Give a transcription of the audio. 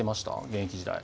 現役時代。